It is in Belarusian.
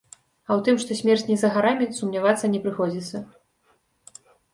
А ў тым, што смерць не за гарамі, сумнявацца не прыходзіцца.